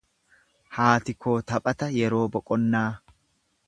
Haati koo taphata yeroo boqonnaa.